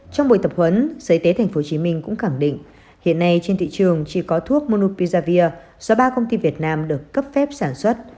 trong buổi tập huấn sở y tế tp hcm cũng khẳng định hiện nay trên thị trường chỉ có thuốc monoupizavir do ba công ty việt nam được cấp phép sản xuất